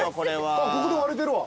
あっここで割れてるわ。